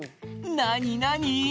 なになに？